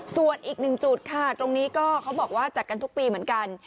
ส่วนอีกหนึ่งจุดค่ะตรงนี้ก็เขาบอกว่าจัดกันทุกปีเหมือนกัน